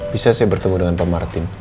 bisa saya bertemu dengan pak martin